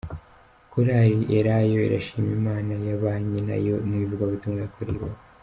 Korali Elayo irashima Imana yabanye nayo mu ivugabutumwa yakoreye Iwawa.